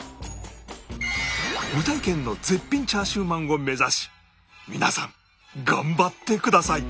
未体験の絶品チャーシューまんを目指し皆さん頑張ってください